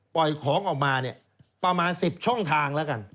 ปล่อยของออกมาเนี่ยประมาณ๑๐ช่องทางแล้วกัน